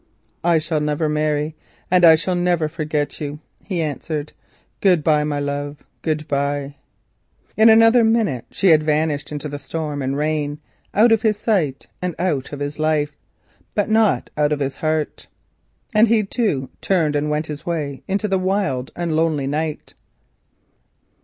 "I shall never marry and I shall never forget you," he answered. "Good bye, my love, good bye!" In another minute she had vanished into the storm and rain, out of his sight and out of his life, but not out of his heart. He, too, turned and went his way into the wild and lonely night.